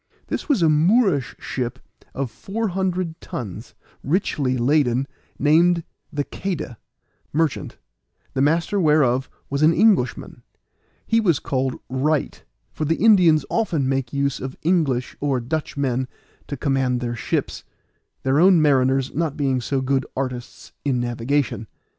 This was a Moorish ship of four hundred tons, richly laden, named the Queda, merchant, the master whereof was an Englishman he was called Wright, for the Indians often make use of English or Dutch men to command their ships, their own mariners not being so good artists in navigation.